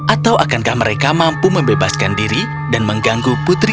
atau akankah mereka mampu membebaskan diri dan mengganggu putri